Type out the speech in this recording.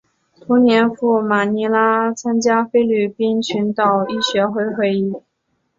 同年赴马尼拉参加菲律宾群岛医学会会议。